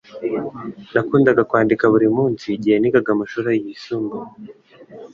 Nakundaga kwandika buri munsi igihe nigaga mumashuri yisumbuye.